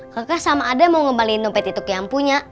kakak sama ada mau ngembalin dompet itu yang punya